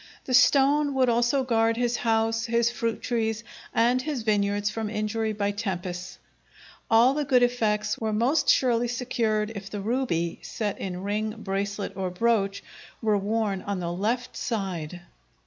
The stone would also guard his house, his fruit trees, and his vineyards from injury by tempests. All the good effects were most surely secured if the ruby, set in ring, bracelet, or brooch, were worn on the left side.